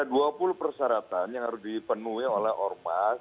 ada dua puluh persyaratan yang harus dipenuhi oleh ormas